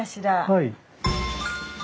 はい。